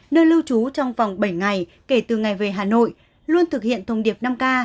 nơi lưu trú trong vòng bảy ngày kể từ ngày về hà nội luôn thực hiện thông điệp năm k